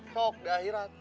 sok di akhirat